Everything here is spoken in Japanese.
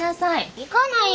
行かない！